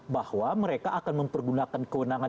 bahwa mereka akan mempergunakan kewenangan